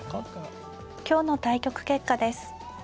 今日の対局結果です。